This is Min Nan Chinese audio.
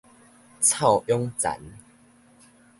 臭氧層